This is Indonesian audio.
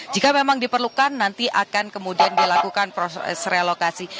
jika memang diperlukan nanti akan kemudian dilakukan proses relokasi